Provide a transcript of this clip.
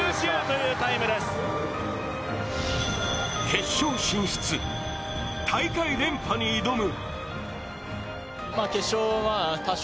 決勝進出、大会連覇に挑む。